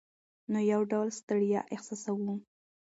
نو یو ډول ستړیا احساسوو.